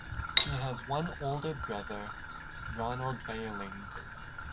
She has one older brother, Ronald Bahling.